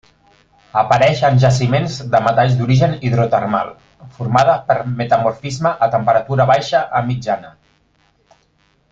Apareix en jaciments de metalls d'origen hidrotermal, formada per metamorfisme a temperatura baixa a mitjana.